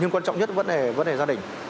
nhưng quan trọng nhất là vấn đề gia đình